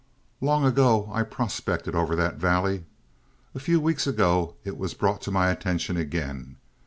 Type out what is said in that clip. "Long ago I prospected over that valley; a few weeks ago it was brought to my attention again.